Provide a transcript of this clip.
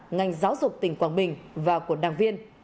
ngành giáo dục tỉnh quảng bình và của đảng viên